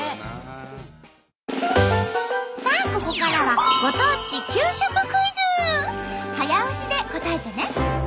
さあここからは早押しで答えてね！